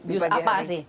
jus apa sih